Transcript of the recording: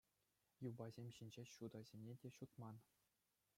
Юпасем ҫинчи ҫутӑсене те ҫутман.